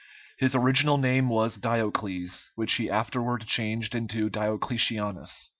His original name was Diocles, which he afterward changed into Diocletianus.